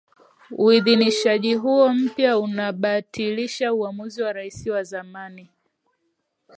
Uidhinishaji huo mpya unabatilisha uamuzi wa Rais wa zamani